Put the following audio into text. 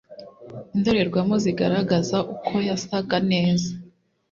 indorerwamo zigaragaza ukoyasaga neza.